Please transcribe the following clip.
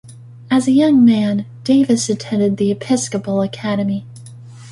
As a young man, Davis attended the Episcopal Academy.